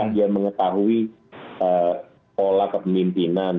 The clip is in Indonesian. dia mengetahui pola kepemimpinan